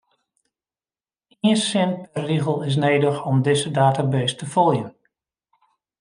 Ien sin per rigel is nedich om dizze database te foljen.